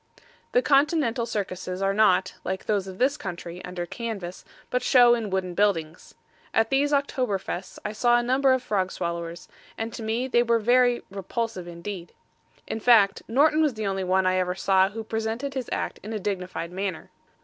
The Continental Circuses are not, like those of this country, under canvas, but show in wooden buildings. At these October Fests I saw a number of frog swallowers, and to me they were very repulsive indeed. In fact, Norton was the only one I ever saw who presented his act in a dignified manner.